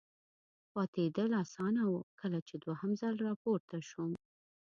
پاتېدل اسانه و، کله چې دوهم ځل را پورته شوم.